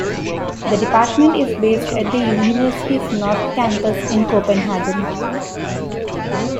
The department is based at the university's North Campus in Copenhagen.